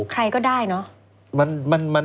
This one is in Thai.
ใครก็ได้เนอะ